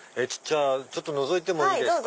ちょっとのぞいてもいいですか？